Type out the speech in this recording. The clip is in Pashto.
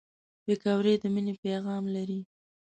پکورې د مینې پیغام لري